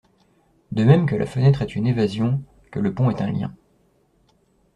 De même que la fenêtre est une évasion, que le pont est un lien.